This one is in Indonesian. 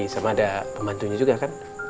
sama ada pembantunya juga kan